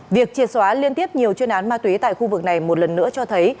việc triệt xóa liên tiếp nhiều chuyên án ma túy tại khu vực này một lần nữa cho thấy